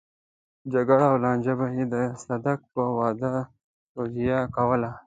جګړه او لانجه به يې د صدک په واده توجيه کوله.